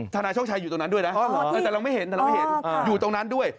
ทนายโชคชัยอยู่ตรงนั้นด้วยนะแต่เราไม่เห็นอยู่ตรงนั้นด้วย